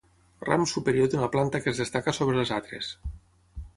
Ram superior d'una planta que es destaca sobre els altres.